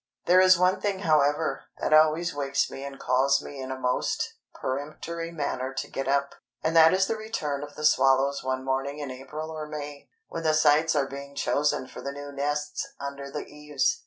There is one thing, however, that always wakes me and calls me in a most peremptory manner to get up, and that is the return of the swallows one morning in April or May, when the sites are being chosen for the new nests under the eaves.